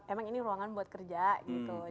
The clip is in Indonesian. emang ini ruangan buat kerja gitu